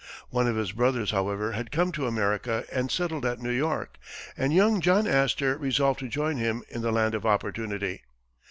One of his brothers, however, had come to America and settled at New York, and young John Astor resolved to join him in the land of opportunity.